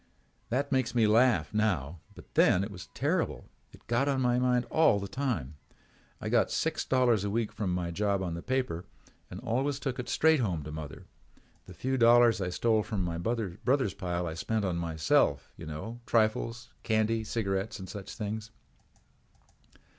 That makes me laugh now but then it was terrible. It was on my mind all the time. I got six dollars a week from my job on the paper and always took it straight home to mother. The few dollars I stole from my brother's pile I spent on myself, you know, for trifles, candy and cigarettes and such things.